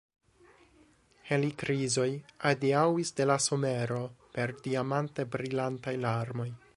Helikrizoj adiaŭis de la somero per diamante brilantaj larmoj.